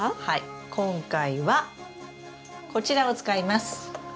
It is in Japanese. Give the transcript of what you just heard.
はい今回はこちらを使います。